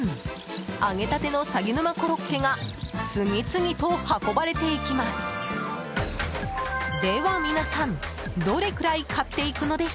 揚げたてのさぎ沼コロッケが次々と運ばれていきます。